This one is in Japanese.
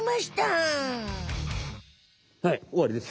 はいおわりです。